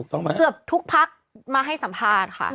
เกือบทุกพักมาให้สัมภาษณ์ค่ะ